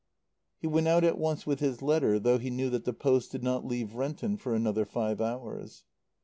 He went out at once with his letter, though he knew that the post did not leave Renton for another five hours.